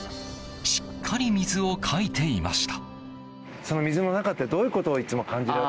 しっかり水をかいていました。